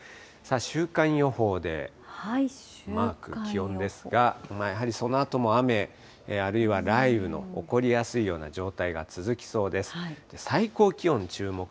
週間予報で、マーク、気温ですが、やはりそのあとも雨、あるいは雷雨の起こりやすいような状態が続きそうです。